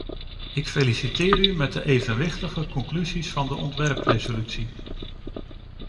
Ik feliciteer u met de evenwichtige conclusies van de ontwerpresolutie.